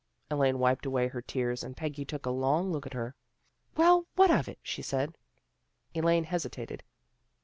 Elaine wiped away her tears and Peggy took a long look at her. " Well, what of it? " she said. Elaine hesitated.